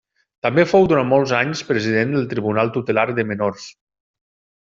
També fou durant molts anys president del Tribunal Tutelar de Menors.